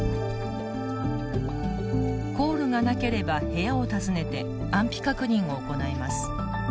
コールがなければ部屋を訪ねて安否確認を行います。